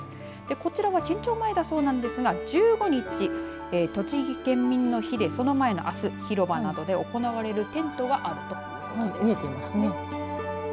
こちらは県庁前だそうですが１５日、栃木県民の日でその前のあす広場などで行われるテントがはられているということです。